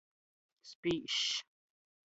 Spīžs.